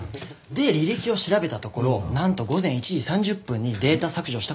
で履歴を調べたところなんと午前１時３０分にデータ削除した事がわかりました。